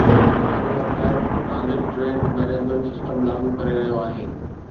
Haroon Akhtar transit trade management system لاڳو ڪري رهيو آهي